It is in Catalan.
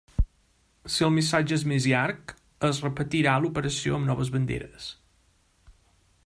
Si el missatge és més llarg, es repetirà l'operació amb noves banderes.